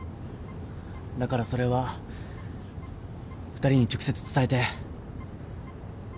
だからそれは２人に直接伝えて。